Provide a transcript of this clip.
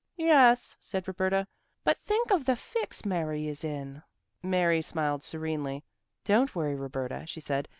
"Yes," said Roberta, "but think of the fix Mary is in." Mary smiled serenely. "Don't worry, Roberta," she said.